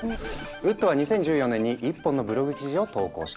ウッドは２０１４年に１本のブログ記事を投稿した。